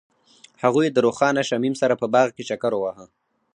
هغوی د روښانه شمیم سره په باغ کې چکر وواهه.